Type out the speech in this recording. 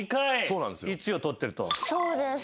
そうです。